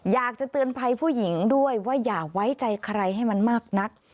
อยากจะเตือนภัยผู้หญิงด้วยว่าอย่าไว้ใจใครให้มันมากนัก